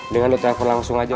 dengan lo telepon langsung aja